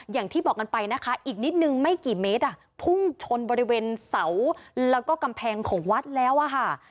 อย่างที่บอกกันไปนะคะอีกนิดนึงไม่กี่เมตรอ่ะพุ่งชนบริเวณเสาแล้วก็กำแพงของวัดแล้วอะค่ะ